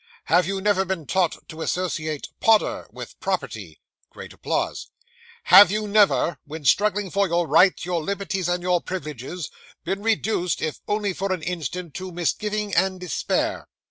Have you never been taught to associate Podder with property? (Great applause.) Have you never, when struggling for your rights, your liberties, and your privileges, been reduced, if only for an instant, to misgiving and despair?